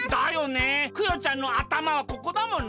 クヨちゃんのあたまはここだもの。